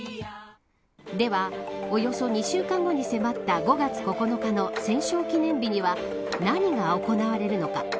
では、およそ２週間後に迫った５月９日の戦勝記念日には何が行われるのか。